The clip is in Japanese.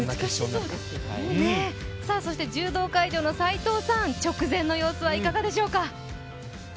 そして柔道会場の斎藤さん、直前の様子はいかがでしょうか？